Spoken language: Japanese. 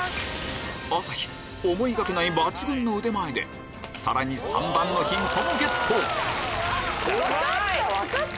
朝日思いがけないさらに３番のヒントもゲット分かった分かった！